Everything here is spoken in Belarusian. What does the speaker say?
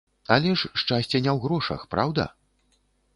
Але ж шчасце не ў грошах, праўда?!